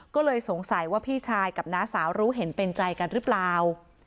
ก็เลยสงสัยว่าพี่ชายกับน้าสาวรู้เห็นเป็นใจกันหรือเปล่า